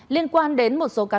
liên quan đến một số tài liệu